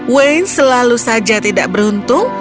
wain selalu saja tidak beruntung